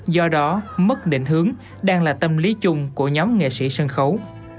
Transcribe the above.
do đó mất định hướng đang là tâm lý chung của nhóm nghệ sĩ sân khấu